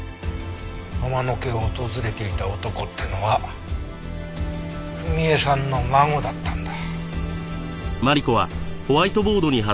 浜野家を訪れていた男っていうのは文恵さんの孫だったんだ。